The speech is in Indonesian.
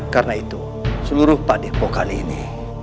karena itu seluruh padipokan ini